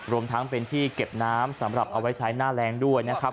รวมทั้งเป็นที่เก็บน้ำสำหรับเอาไว้ใช้หน้าแรงด้วยนะครับ